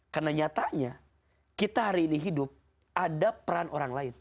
karena nyatanya kita hari ini hidup ada peran orang lain